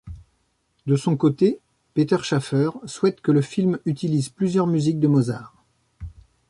De son côté, Peter Shaffer souhaite que le film utilise plusieurs musiques de Mozart.